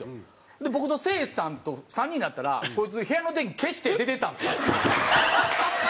で僕とせいじさんと３人になったらこいつ部屋の電気消して出て行ったんですよ。